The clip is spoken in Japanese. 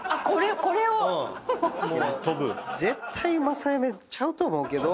これを⁉絶対正夢ちゃうと思うけど。